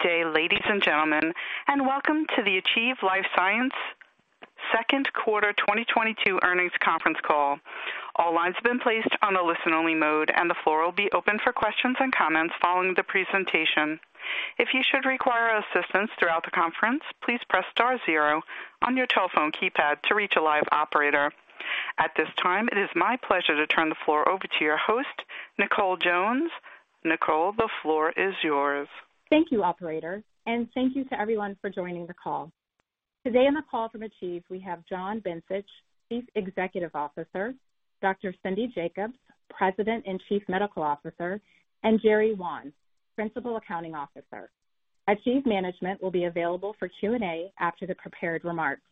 Good day, ladies and gentlemen, and welcome to the Achieve Life Sciences second quarter 2022 earnings conference call. All lines have been placed on a listen-only mode, and the floor will be open for questions and comments following the presentation. If you should require assistance throughout the conference, please press star zero on your telephone keypad to reach a live operator. At this time, it is my pleasure to turn the floor over to your host, Nicole Jones. Nicole, the floor is yours. Thank you, operator, and thank you to everyone for joining the call. Today on the call from Achieve, we have John Bencich, Chief Executive Officer, Dr. Cindy Jacobs, President and Chief Medical Officer, and Jerry Wan, Principal Accounting Officer. Achieve management will be available for Q&A after the prepared remarks.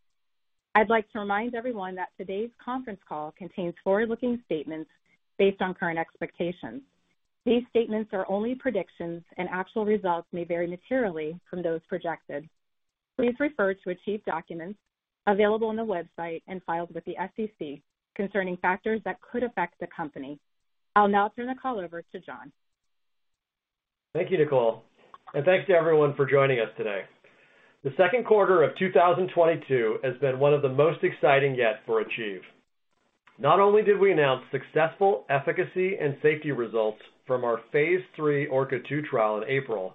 I'd like to remind everyone that today's conference call contains forward-looking statements based on current expectations. These statements are only predictions and actual results may vary materially from those projected. Please refer to Achieve documents available on the website and filed with the SEC concerning factors that could affect the company. I'll now turn the call over to John. Thank you, Nicole, and thanks to everyone for joining us today. The second quarter of 2022 has been one of the most exciting yet for Achieve. Not only did we announce successful efficacy and safety results from our phase III ORCA-2 trial in April,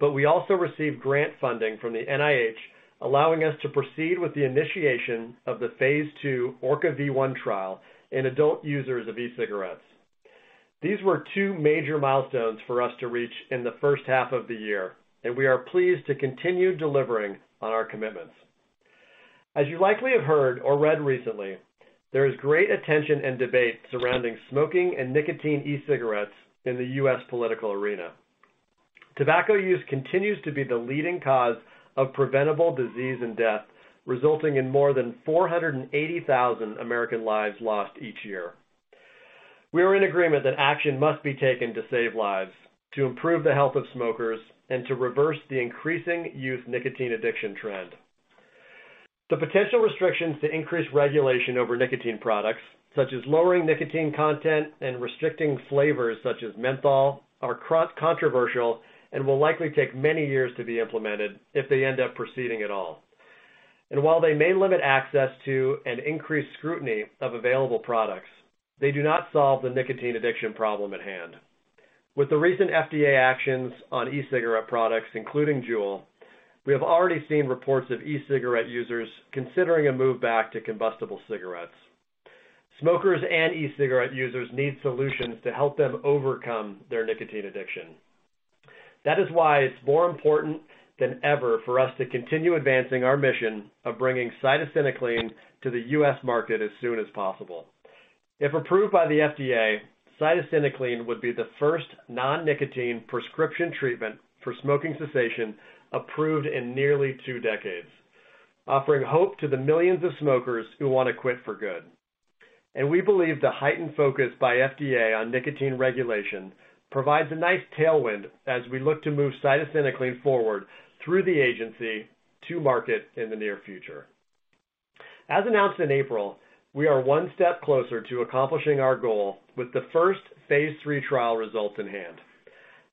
but we also received grant funding from the NIH, allowing us to proceed with the initiation of the phase II ORCA-V1 trial in adult users of e-cigarettes. These were two major milestones for us to reach in the first half of the year, and we are pleased to continue delivering on our commitments. As you likely have heard or read recently, there is great attention and debate surrounding smoking and nicotine e-cigarettes in the U.S. political arena. Tobacco use continues to be the leading cause of preventable disease and death, resulting in more than 480,000 American lives lost each year. We are in agreement that action must be taken to save lives, to improve the health of smokers, and to reverse the increasing youth nicotine addiction trend. The potential restrictions to increase regulation over nicotine products, such as lowering nicotine content and restricting flavors such as menthol, are controversial and will likely take many years to be implemented if they end up proceeding at all. While they may limit access to an increased scrutiny of available products, they do not solve the nicotine addiction problem at hand. With the recent FDA actions on e-cigarette products, including Juul, we have already seen reports of e-cigarette users considering a move back to combustible cigarettes. Smokers and e-cigarette users need solutions to help them overcome their nicotine addiction. That is why it's more important than ever for us to continue advancing our mission of bringing cytisinicline to the U.S. market as soon as possible. If approved by the FDA, cytisinicline would be the first non-nicotine prescription treatment for smoking cessation approved in nearly two decades. Offering hope to the millions of smokers who want to quit for good. We believe the heightened focus by FDA on nicotine regulation provides a nice tailwind as we look to move cytisinicline forward through the agency to market in the near future. As announced in April, we are one step closer to accomplishing our goal with the first phase III trial results in hand.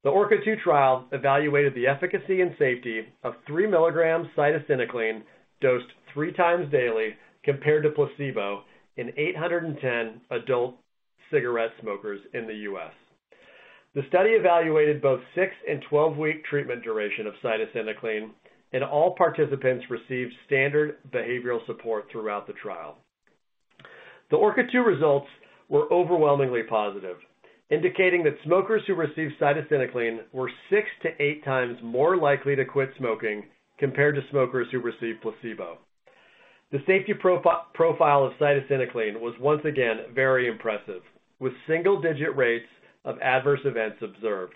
The ORCA-2 trial evaluated the efficacy and safety of 3 mg cytisinicline dosed three times daily compared to placebo in 810 adult cigarette smokers in the U.S. The study evaluated both six and 12-week treatment duration of cytisinicline, and all participants received standard behavioral support throughout the trial. The ORCA-2 results were overwhelmingly positive, indicating that smokers who received cytisinicline were six to eight times more likely to quit smoking compared to smokers who received placebo. The safety profile of cytisinicline was once again very impressive, with single-digit rates of adverse events observed,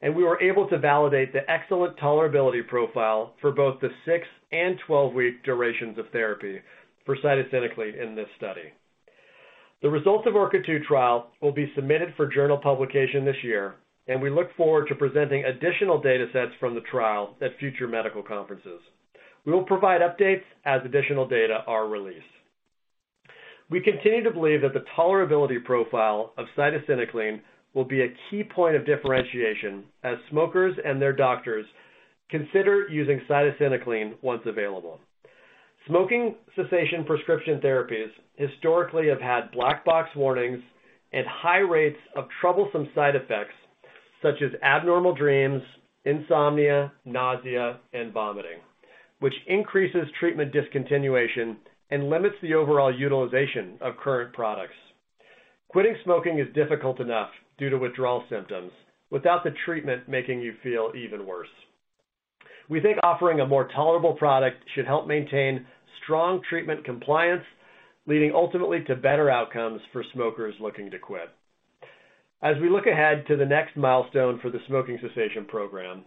and we were able to validate the excellent tolerability profile for both the six and 12-week durations of therapy for cytisinicline in this study. The results of ORCA-2 trial will be submitted for journal publication this year, and we look forward to presenting additional datasets from the trial at future medical conferences. We will provide updates as additional data are released. We continue to believe that the tolerability profile of cytisinicline will be a key point of differentiation as smokers and their doctors consider using cytisinicline once available. Smoking cessation prescription therapies historically have had black box warnings and high rates of troublesome side effects such as abnormal dreams, insomnia, nausea, and vomiting, which increases treatment discontinuation and limits the overall utilization of current products. Quitting smoking is difficult enough due to withdrawal symptoms without the treatment making you feel even worse. We think offering a more tolerable product should help maintain strong treatment compliance, leading ultimately to better outcomes for smokers looking to quit. As we look ahead to the next milestone for the smoking cessation program,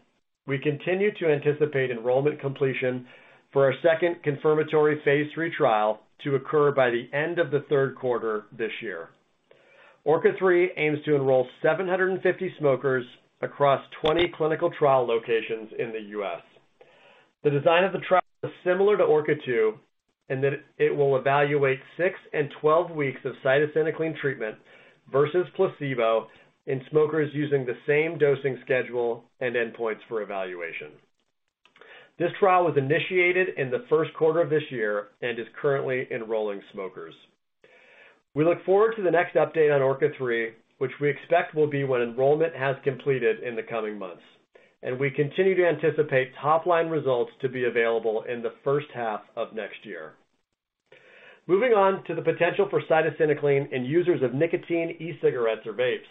we continue to anticipate enrollment completion for our second confirmatory phase III trial to occur by the end of the third quarter this year. ORCA-3 aims to enroll 750 smokers across 20 clinical trial locations in the U.S. The design of the trial is similar to ORCA-2 in that it will evaluate six and 12 weeks of cytisinicline treatment versus placebo in smokers using the same dosing schedule and endpoints for evaluation. This trial was initiated in the first quarter of this year and is currently enrolling smokers. We look forward to the next update on ORCA-3, which we expect will be when enrollment has completed in the coming months, and we continue to anticipate top-line results to be available in the first half of next year. Moving on to the potential for cytisinicline in users of nicotine e-cigarettes or vapes.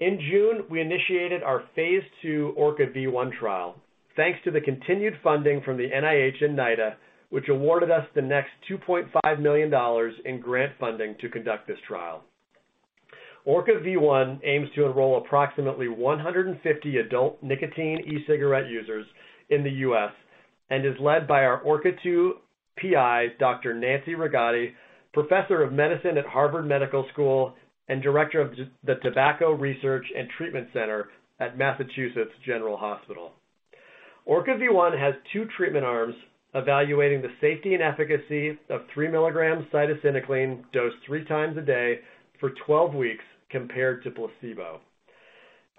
In June, we initiated our phase II ORCA-V1 trial. Thanks to the continued funding from the NIH and NIDA, which awarded us the next $2.5 million in grant funding to conduct this trial. ORCA-V1 aims to enroll approximately 150 adult nicotine e-cigarette users in the U.S. and is led by our ORCA-2 PI, Dr. Nancy Rigotti, professor of medicine at Harvard Medical School and director of the Tobacco Research and Treatment Center at Massachusetts General Hospital. ORCA-V1 has two treatment arms evaluating the safety and efficacy of 3 mg cytisinicline dosed three times a day for 12 weeks compared to placebo.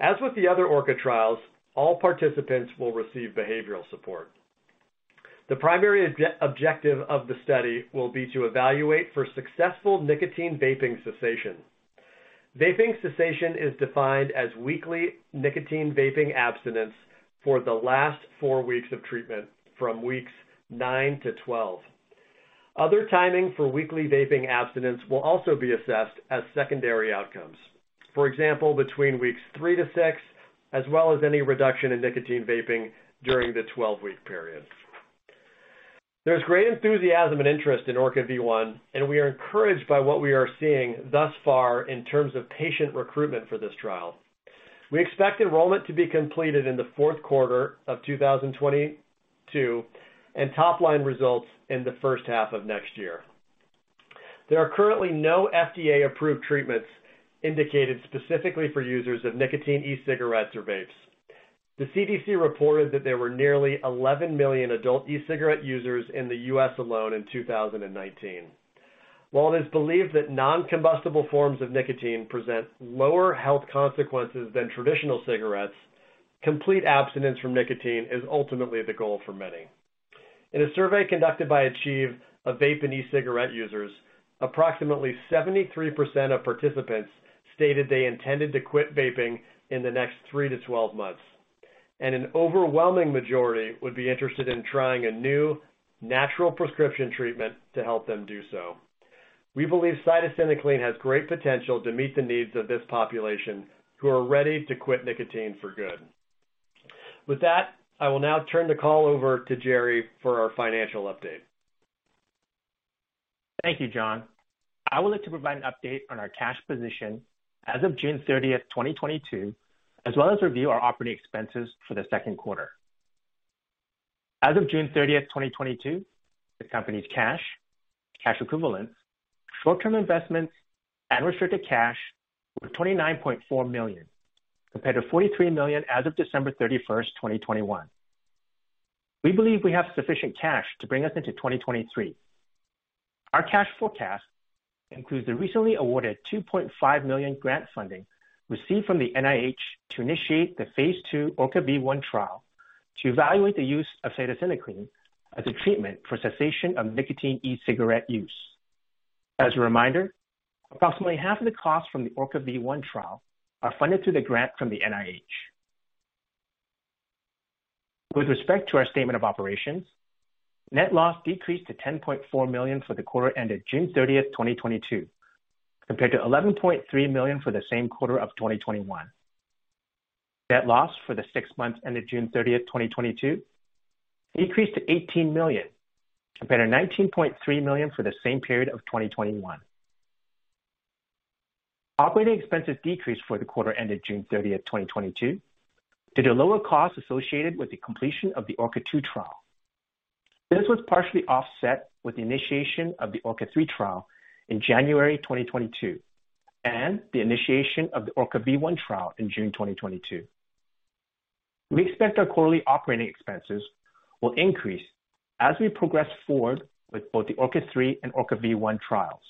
As with the other ORCA trials, all participants will receive behavioral support. The primary objective of the study will be to evaluate for successful nicotine vaping cessation. Vaping cessation is defined as weekly nicotine vaping abstinence for the last four weeks of treatment, from weeks nine to 12. Other timing for weekly vaping abstinence will also be assessed as secondary outcomes. For example, between weeks three to six, as well as any reduction in nicotine vaping during the 12-week period. There's great enthusiasm and interest in ORCA-V1, and we are encouraged by what we are seeing thus far in terms of patient recruitment for this trial. We expect enrollment to be completed in the fourth quarter of 2022, and top-line results in the first half of next year. There are currently no FDA-approved treatments indicated specifically for users of nicotine e-cigarettes or vapes. The CDC reported that there were nearly 11 million adult e-cigarette users in the U.S. alone in 2019. While it is believed that non-combustible forms of nicotine present lower health consequences than traditional cigarettes, complete abstinence from nicotine is ultimately the goal for many. In a survey conducted by Achieve of vape and e-cigarette users, approximately 73% of participants stated they intended to quit vaping in the next three to 12 months, and an overwhelming majority would be interested in trying a new natural prescription treatment to help them do so. We believe cytisinicline has great potential to meet the needs of this population who are ready to quit nicotine for good. With that, I will now turn the call over to Jerry for our financial update. Thank you, John. I would like to provide an update on our cash position as of June 30th, 2022, as well as review our operating expenses for the second quarter. As of June 30th, 2022, the company's cash equivalents, short-term investments, and restricted cash were $29.4 million, compared to $43 million as of December 31st, 2021. We believe we have sufficient cash to bring us into 2023. Our cash forecast includes the recently awarded $2.5 million grant funding received from the NIH to initiate the phase II ORCA-V1 trial to evaluate the use of cytisinicline as a treatment for cessation of nicotine e-cigarette use. As a reminder, approximately half of the costs from the ORCA-V1 trial are funded through the grant from the NIH. With respect to our statement of operations, net loss decreased to $10.4 million for the quarter ended June 30th, 2022, compared to $11.3 million for the same quarter of 2021. Net loss for the six months ended June 30th, 2022 decreased to $18 million compared to $19.3 million for the same period of 2021. Operating expenses decreased for the quarter ended June 30th, 2022 due to lower costs associated with the completion of the ORCA-2 trial. This was partially offset with the initiation of the ORCA-3 trial in January 2022 and the initiation of the ORCA-V1 trial in June 2022. We expect our quarterly operating expenses will increase as we progress forward with both the ORCA-3 and ORCA-V1 trials.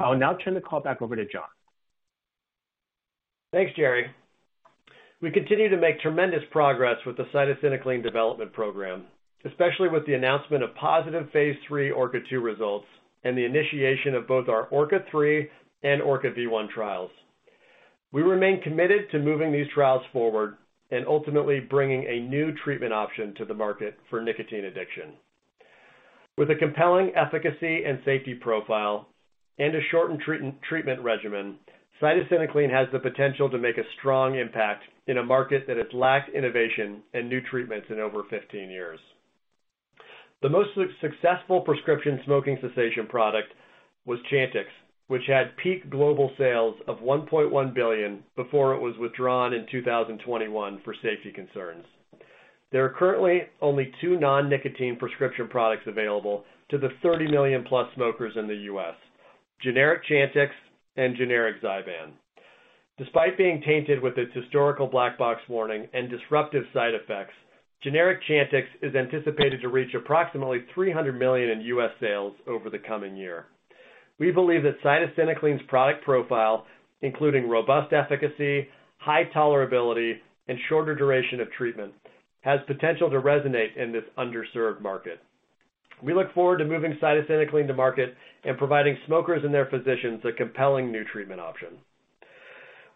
I will now turn the call back over to John. Thanks, Jerry. We continue to make tremendous progress with the cytisinicline development program, especially with the announcement of positive phase III ORCA-2 results and the initiation of both our ORCA-3 and ORCA-V1 trials. We remain committed to moving these trials forward and ultimately bringing a new treatment option to the market for nicotine addiction. With a compelling efficacy and safety profile and a shortened treatment regimen, cytisinicline has the potential to make a strong impact in a market that has lacked innovation and new treatments in over 15 years. The most successful prescription smoking cessation product was Chantix, which had peak global sales of $1.1 billion before it was withdrawn in 2021 for safety concerns. There are currently only two non-nicotine prescription products available to the 30 million-plus smokers in the U.S., generic Chantix and generic Zyban. Despite being tainted with its historical black box warning and disruptive side effects, generic Chantix is anticipated to reach approximately $300 million in U.S. sales over the coming year. We believe that cytisinicline's product profile, including robust efficacy, high tolerability, and shorter duration of treatment, has potential to resonate in this underserved market. We look forward to moving cytisinicline to market and providing smokers and their physicians a compelling new treatment option.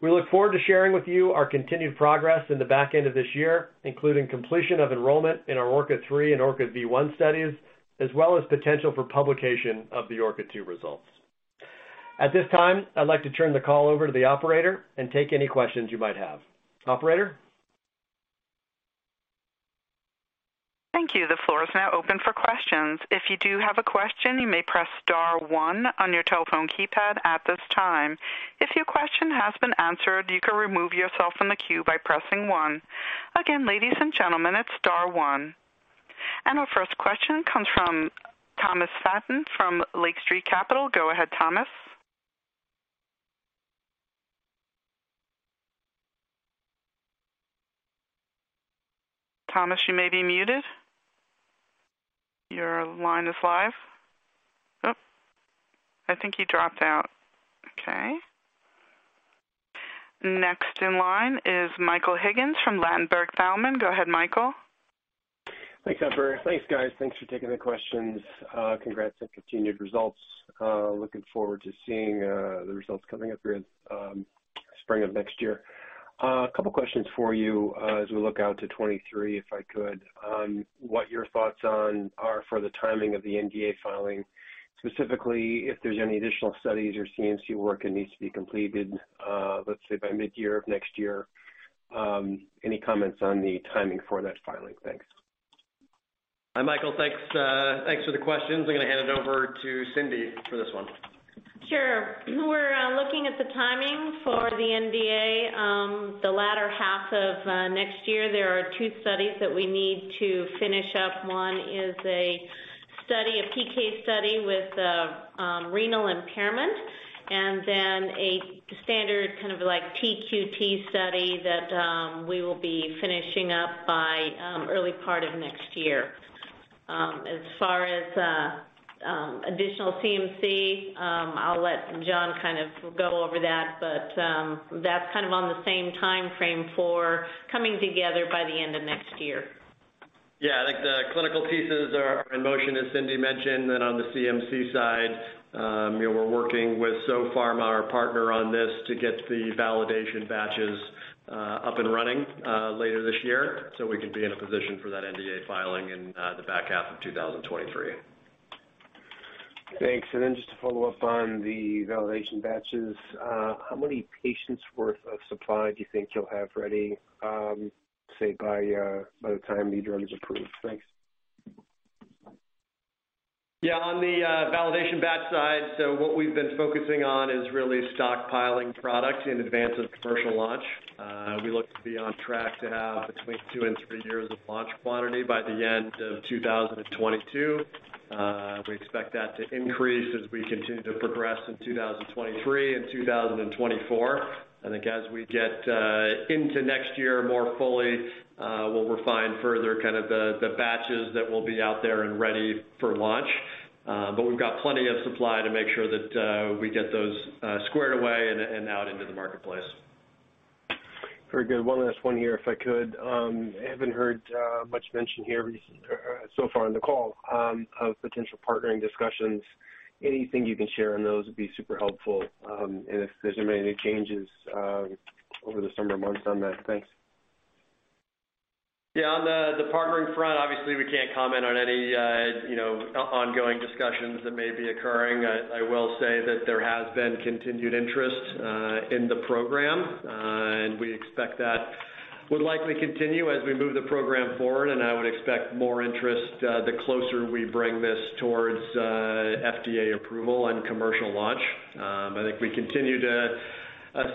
We look forward to sharing with you our continued progress in the back end of this year, including completion of enrollment in our ORCA-3 and ORCA-V1 studies, as well as potential for publication of the ORCA-2 results. At this time, I'd like to turn the call over to the operator and take any questions you might have. Operator? Thank you. The floor is now open for questions. If you do have a question, you may press star one on your telephone keypad at this time. If your question has been answered, you can remove yourself from the queue by pressing one. Again, ladies and gentlemen, it's star one. Our first question comes from Thomas Flaten from Lake Street Capital. Go ahead, Thomas. Thomas, you may be muted. Your line is live. Oh, I think he dropped out. Okay. Next in line is Michael Higgins from Ladenburg Thalmann. Go ahead, Michael. Thanks, operator. Thanks, guys. Thanks for taking the questions. Congrats on continued results. Looking forward to seeing the results coming up here, spring of next year. A couple questions for you, as we look out to 2023, if I could. What your thoughts on are for the timing of the NDA filing, specifically if there's any additional studies or CMC work that needs to be completed, let's say by mid-year of next year. Any comments on the timing for that filing? Thanks. Hi, Michael. Thanks for the questions. I'm gonna hand it over to Cindy for this one. Sure. We're looking at the timing for the NDA, the latter half of next year. There are two studies that we need to finish up. One is a study, a PK study with renal impairment, and then a standard kind of like TQT study that we will be finishing up by early part of next year. As far as additional CMC, I'll let John kind of go over that, but that's kind of on the same timeframe for coming together by the end of next year. Yeah. I think the clinical pieces are in motion, as Cindy mentioned. On the CMC side, you know, we're working with Sopharma, our partner on this, to get the validation batches up and running later this year, so we can be in a position for that NDA filing in the back half of 2023. Thanks. Just to follow up on the validation batches, how many patients worth of supply do you think you'll have ready, say by the time NDA is approved? Thanks. Yeah. On the validation batch side, what we've been focusing on is really stockpiling product in advance of commercial launch. We look to be on track to have between two and three years of launch quantity by the end of 2022. We expect that to increase as we continue to progress in 2023 and 2024. I think as we get into next year more fully, we'll refine further kind of the batches that will be out there and ready for launch. We've got plenty of supply to make sure that we get those squared away and out into the marketplace. Very good. One last one here, if I could. I haven't heard much mention here recently or so far in the call of potential partnering discussions. Anything you can share on those would be super helpful, and if there's been any changes over the summer months on that? Thanks. Yeah. On the partnering front, obviously, we can't comment on any, you know, ongoing discussions that may be occurring. I will say that there has been continued interest in the program, and we expect that would likely continue as we move the program forward. I would expect more interest the closer we bring this towards FDA approval and commercial launch. I think we continue to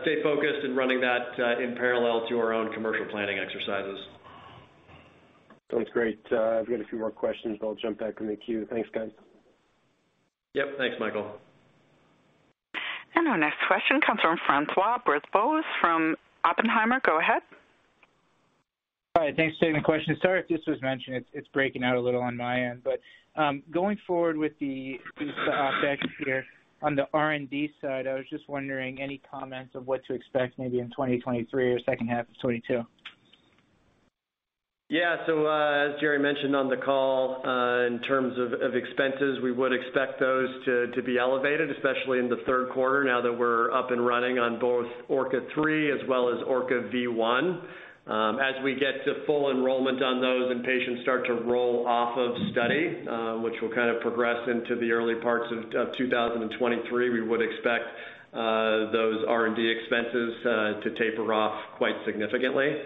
stay focused in running that in parallel to our own commercial planning exercises. Sounds great. I've got a few more questions, but I'll jump back in the queue. Thanks, guys. Yep. Thanks, Michael. Our next question comes from François Brisebois from Oppenheimer. Go ahead. Hi. Thanks for taking the question. Sorry if this was mentioned. It's breaking out a little on my end. Going forward with the year on the R&D side, I was just wondering any comments on what to expect maybe in 2023 or second half of 2022. As Jerry mentioned on the call, in terms of expenses, we would expect those to be elevated, especially in the third quarter now that we're up and running on both ORCA-3 as well as ORCA-V1. As we get to full enrollment on those and patients start to roll off of study, which will kind of progress into the early parts of 2023, we would expect those R&D expenses to taper off quite significantly.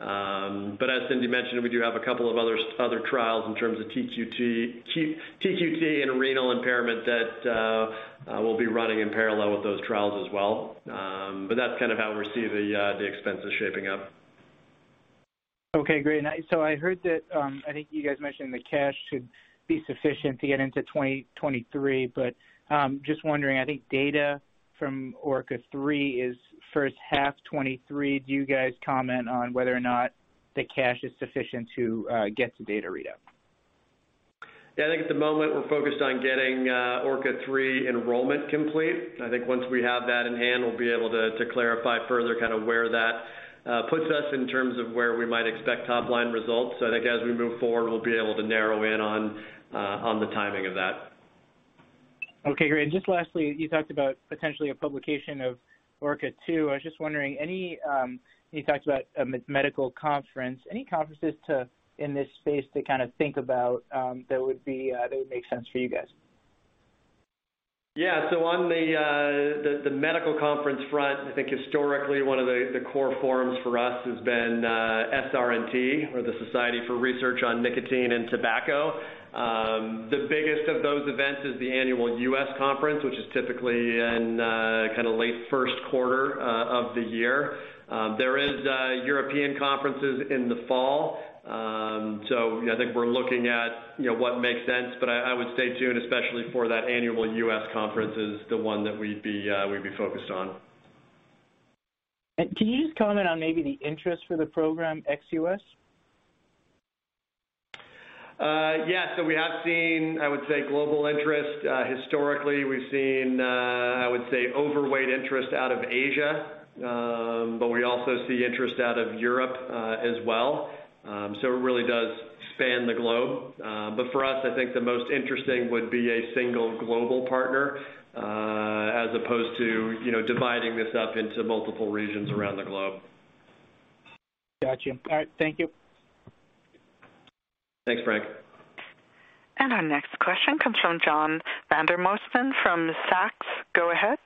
As Cindy mentioned, we do have a couple of other trials in terms of TQT and renal impairment that we'll be running in parallel with those trials as well. That's kind of how we see the expenses shaping up. Okay, great. I heard that, I think you guys mentioned the cash should be sufficient to get into 2023. Just wondering, I think data from ORCA-3 is first half 2023. Do you guys comment on whether or not the cash is sufficient to get to data readout? Yeah, I think at the moment we're focused on getting ORCA-3 enrollment complete. I think once we have that in hand, we'll be able to clarify further kind of where that puts us in terms of where we might expect top line results. I think as we move forward, we'll be able to narrow in on the timing of that. Okay, great. Just lastly, you talked about potentially a publication of ORCA-2. I was just wondering any, you talked about a medical conference, any conferences in this space to kind of think about, that would make sense for you guys? Yeah. On the medical conference front, I think historically one of the core forums for us has been SRNT or the Society for Research on Nicotine and Tobacco. The biggest of those events is the annual U.S. conference, which is typically in kind of late first quarter of the year. There is European conferences in the fall. I think we're looking at what makes sense, but I would stay tuned especially for that annual U.S. conference is the one that we'd be focused on. Can you just comment on maybe the interest for the program ex-U.S.? Yeah. We have seen, I would say, global interest. Historically we've seen, I would say, overweight interest out of Asia. We also see interest out of Europe, as well. It really does span the globe. For us, I think the most interesting would be a single global partner, as opposed to, you know, dividing this up into multiple regions around the globe. Gotcha. All right. Thank you. Thanks, Frank. Our next question comes from John Vandermosten from Zacks. Go ahead.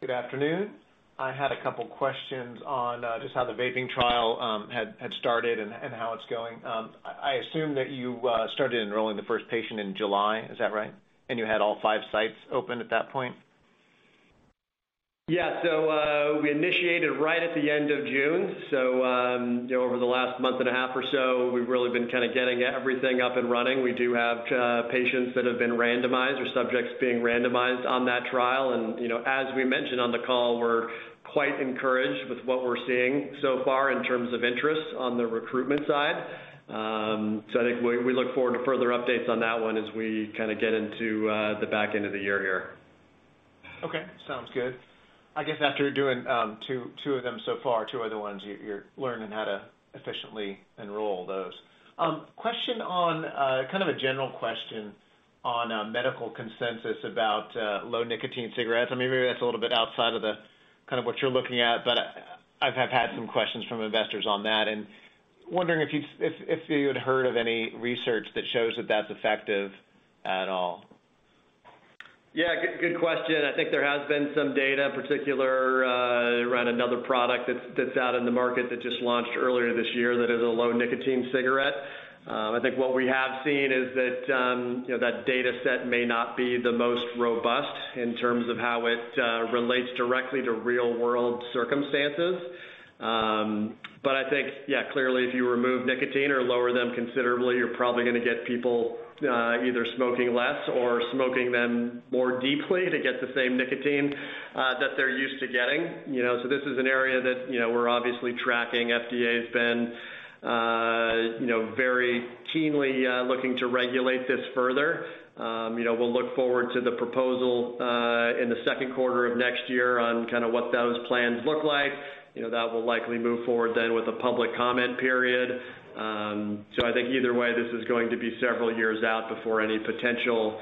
Good afternoon. I had a couple questions on just how the vaping trial had started and how it's going. I assume that you started enrolling the first patient in July. Is that right? You had all five sites open at that point. Yeah. We initiated right at the end of June. You know, over the last month and a half or so, we've really been kind of getting everything up and running. We do have patients that have been randomized or subjects being randomized on that trial. You know, as we mentioned on the call, we're quite encouraged with what we're seeing so far in terms of interest on the recruitment side. I think we look forward to further updates on that one as we kind of get into the back end of the year here. Okay. Sounds good. I guess after doing two of them so far, two other ones, you're learning how to efficiently enroll those. Question on kind of a general question on medical consensus about low nicotine cigarettes. I mean, maybe that's a little bit outside of the kind of what you're looking at, but I have had some questions from investors on that and wondering if you had heard of any research that shows that that's effective at all. Yeah. Good question. I think there has been some data in particular around another product that's out in the market that just launched earlier this year that is a low nicotine cigarette. I think what we have seen is that, you know, that data set may not be the most robust in terms of how it relates directly to real world circumstances. I think, yeah, clearly if you remove nicotine or lower them considerably, you're probably gonna get people either smoking less or smoking them more deeply to get the same nicotine that they're used to getting. You know, so this is an area that, you know, we're obviously tracking. FDA has been, you know, very keenly looking to regulate this further. You know, we'll look forward to the proposal in the second quarter of next year on kind of what those plans look like. You know, that will likely move forward then with a public comment period. I think either way, this is going to be several years out before any potential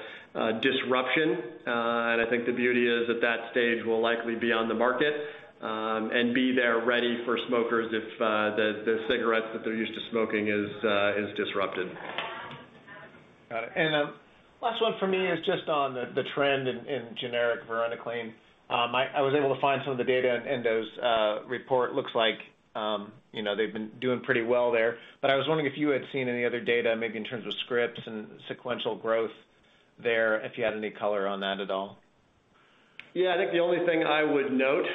disruption. I think the beauty is at that stage we'll likely be on the market and be there ready for smokers if the cigarettes that they're used to smoking is disrupted. Got it. Last one for me is just on the trend in generic varenicline. I was able to find some of the data in Endo's report. Looks like, you know, they've been doing pretty well there. I was wondering if you had seen any other data, maybe in terms of scripts and sequential growth there, if you had any color on that at all. Yeah. I think the only thing I would note.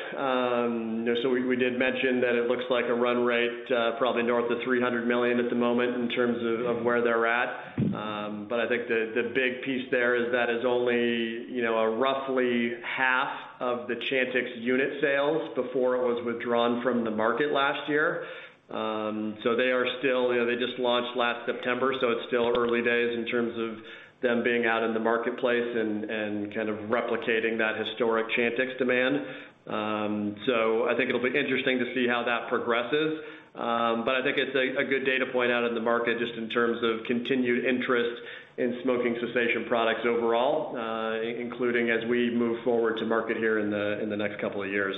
We did mention that it looks like a run rate, probably north of $300 million at the moment in terms of where they're at. I think the big piece there is that it is only, you know, a roughly half of the Chantix unit sales before it was withdrawn from the market last year. They are still. You know, they just launched last September, so it's still early days in terms of them being out in the marketplace and kind of replicating that historic Chantix demand. I think it'll be interesting to see how that progresses. I think it's a good data point out in the market just in terms of continued interest in smoking cessation products overall, including as we move forward to market here in the next couple of years.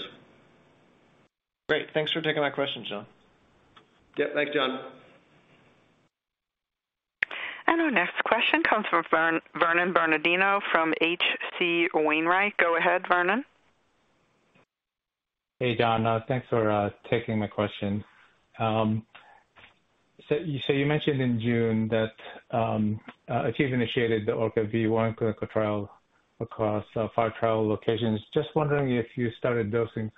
Great. Thanks for taking my questions, John. Yep. Thanks, John. Our next question comes from Vernon Bernardino from H.C. Wainwright. Go ahead, Vernon. Hey, John. Thanks for taking my question. You mentioned in June that Achieve initiated the ORCA-V1 clinical trial across five trial locations. Just wondering if you started dosing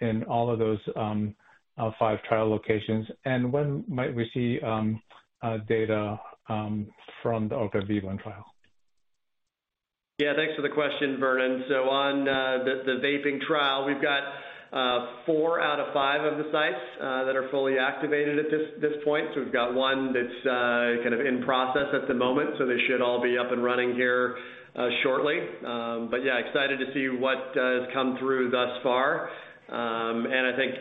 in all of those five trial locations, and when might we see data from the ORCA-V1 trial? Yeah. Thanks for the question, Vernon. On the vaping trial, we've got four out of five of the sites that are fully activated at this point. We've got one that's kind of in process at the moment, so they should all be up and running here shortly. Yeah, excited to see what has come through thus far. I think,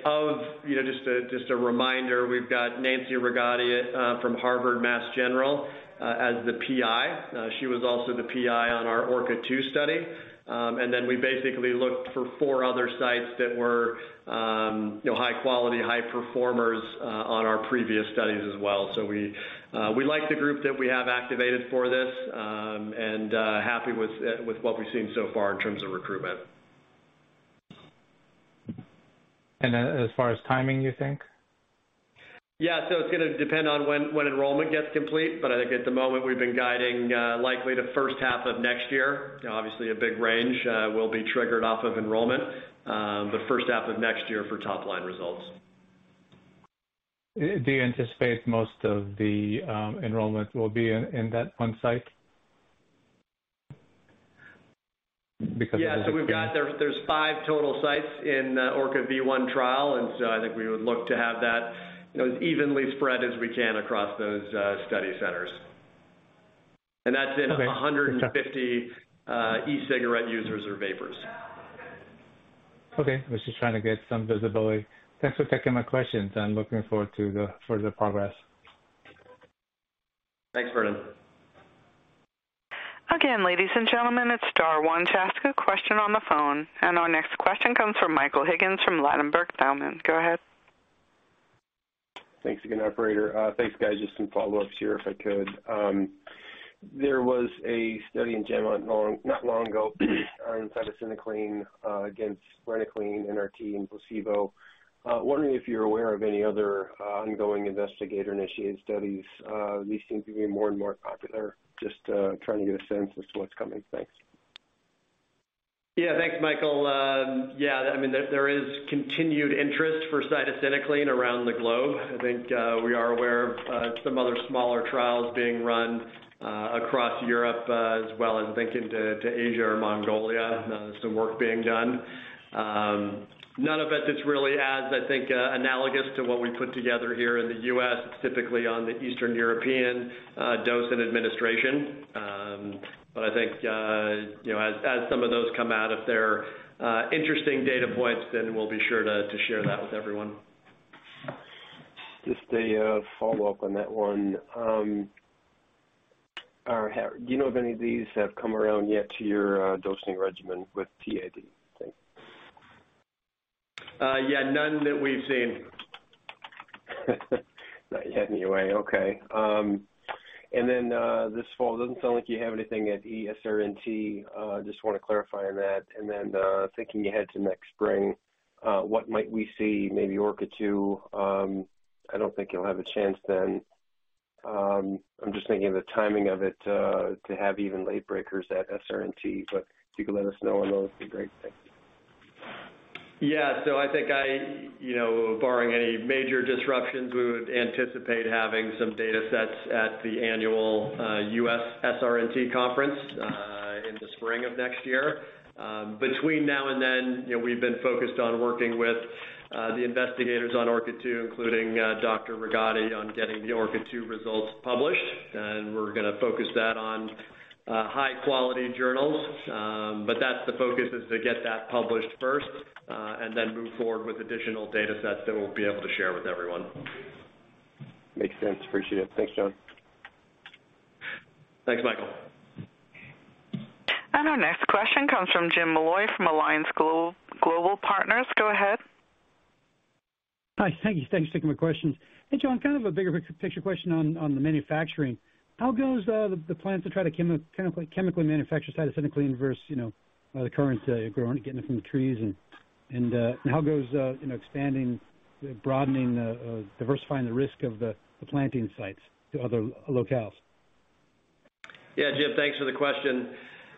you know, just a reminder, we've got Nancy Rigotti from Massachusetts General Hospital as the PI. She was also the PI on our ORCA-2 study. Then we basically looked for four other sites that were, you know, high quality, high performers on our previous studies as well. We like the group that we have activated for this, and happy with what we've seen so far in terms of recruitment. As far as timing, you think? Yeah. It's gonna depend on when enrollment gets complete. I think at the moment we've been guiding likely the first half of next year. Obviously, a big range will be triggered off of enrollment, but first half of next year for top line results. Do you anticipate most of the enrollment will be in that one site? Because- Yeah. We've got there's five total sites in ORCA-V1 trial, and so I think we would look to have that, you know, as evenly spread as we can across those study centers. Okay. 150 e-cigarette users or vapers. Okay. I was just trying to get some visibility. Thanks for taking my questions. I'm looking forward to the progress. Thanks, Vernon. Again, ladies and gentlemen, it's star one to ask a question on the phone. Our next question comes from Michael Higgins from Ladenburg Thalmann. Go ahead. Thanks again, operator. Thanks, guys. Just some follow-ups here if I could. There was a study in JAMA not long ago on cytisinicline against varenicline, NRT and placebo. Wondering if you're aware of any other ongoing investigator-initiated studies. These seem to be more and more popular. Just trying to get a sense as to what's coming. Thanks. Yeah. Thanks, Michael. Yeah, I mean, there is continued interest for cytisinicline around the globe. I think we are aware of some other smaller trials being run across Europe as well as I think into Asia or Mongolia some work being done. None of it that really adds, I think, analogous to what we put together here in the U.S. It's typically on the Eastern European dose and administration. I think you know as some of those come out, if they're interesting data points, then we'll be sure to share that with everyone. Just a follow-up on that one. Do you know if any of these have come around yet to your dosing regimen with TID? Thanks. Yeah, none that we've seen. Not yet anyway. Okay. This fall, doesn't sound like you have anything at SRNT. Just wanna clarify on that. Thinking ahead to next spring, what might we see maybe ORCA-2? I don't think you'll have a chance then. I'm just thinking of the timing of it, to have even late breakers at SRNT, but if you could let us know on those, be great. Thanks. Yeah. I think you know, barring any major disruptions, we would anticipate having some datasets at the annual U.S. SRNT conference in the spring of next year. Between now and then, you know, we've been focused on working with the investigators on ORCA-2, including Dr. Rigotti, on getting the ORCA-2 results published. We're gonna focus that on high quality journals. But that's the focus is to get that published first, and then move forward with additional datasets that we'll be able to share with everyone. Makes sense. Appreciate it. Thanks, John. Thanks, Michael. Our next question comes from Jim Molloy from Alliance Global Partners. Go ahead. Hi. Thank you. Thanks for taking my questions. Hey, John. Kind of a bigger picture question on the manufacturing. How goes the plan to try to chemically manufacture cytisinicline versus, you know, the current getting it from the trees? How goes, you know, expanding, broadening, diversifying the risk of the planting sites to other locales? Yeah. Jim, thanks for the question.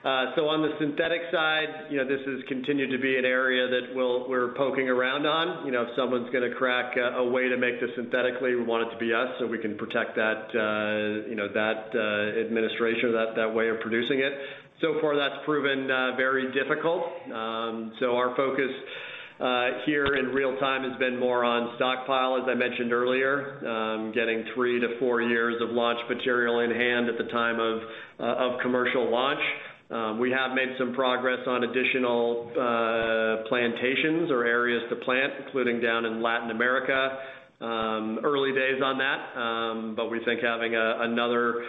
So on the synthetic side, you know, this has continued to be an area that we're poking around on. You know, if someone's gonna crack a way to make this synthetically, we want it to be us, so we can protect that administration or that way of producing it. So far, that's proven very difficult. So our focus here in real-time has been more on stockpile, as I mentioned earlier, getting three to four years of launch material in-hand at the time of commercial launch. We have made some progress on additional plantations or areas to plant, including down in Latin America. Early days on that, but we think having another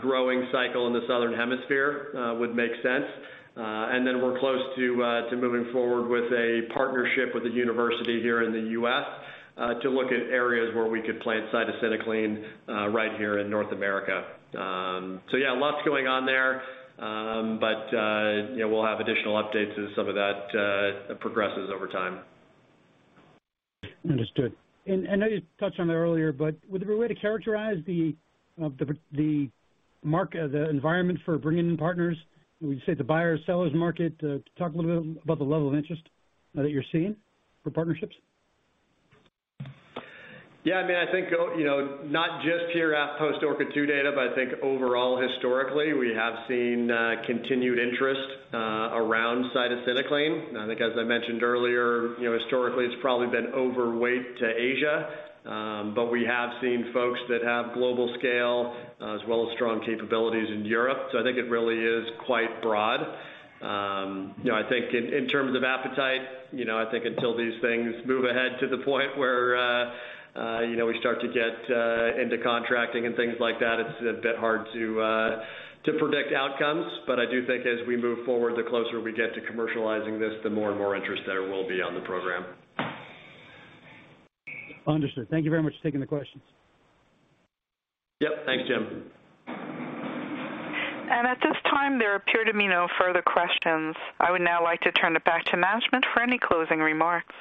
growing cycle in the southern hemisphere would make sense. We're close to moving forward with a partnership with a university here in the U.S. to look at areas where we could plant cytisinicline right here in North America. Yeah, lots going on there. You know, we'll have additional updates as some of that progresses over time. Understood. I know you touched on it earlier, but would there be a way to characterize the market environment for bringing in partners? Would you say it's a buyer's, seller's market? Talk a little bit about the level of interest that you're seeing for partnerships. Yeah, I mean, I think, you know, not just pure post-ORCA-2 data, but I think overall historically, we have seen continued interest around cytisinicline. I think, as I mentioned earlier, you know, historically, it's probably been overweight to Asia. But we have seen folks that have global scale as well as strong capabilities in Europe. So I think it really is quite broad. You know, I think in terms of appetite, you know, I think until these things move ahead to the point where you know we start to get into contracting and things like that, it's a bit hard to predict outcomes. But I do think as we move forward, the closer we get to commercializing this, the more and more interest there will be on the program. Understood. Thank you very much for taking the questions. Yep. Thanks, Jim. At this time, there appear to be no further questions. I would now like to turn it back to management for any closing remarks.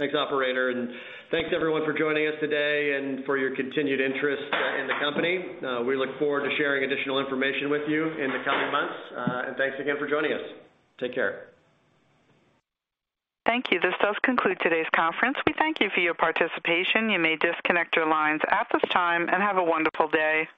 Thanks, operator, and thanks everyone for joining us today and for your continued interest in the company. We look forward to sharing additional information with you in the coming months. Thanks again for joining us. Take care. Thank you. This does conclude today's conference. We thank you for your participation. You may disconnect your lines at this time and have a wonderful day.